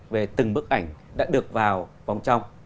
về từng bức ảnh đã được vào vòng trong